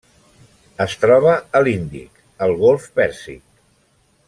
Es troba a l'Índic: el golf Pèrsic.